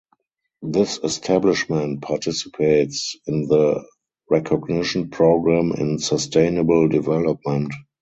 This establishment participates in the recognition program in sustainable development.